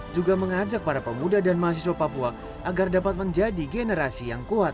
juga mengajak para pemuda dan mahasiswa papua agar dapat menjadi generasi yang kuat